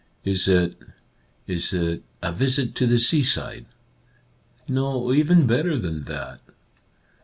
" Is it — is it — a visit to the seaside ?"" No ; even better than that."